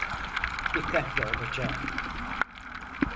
Dikkatli olacağım.